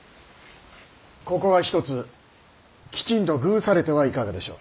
ここはひとつきちんと遇されてはいかがでしょう。